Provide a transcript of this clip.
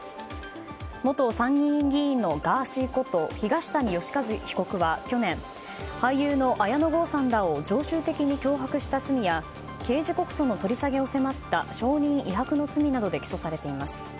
元参議院議員のガーシーこと東谷義和被告は去年俳優の綾野剛さんらを常習的に脅迫した罪や刑事告訴の取り下げを迫った証人威迫の罪などで起訴されています。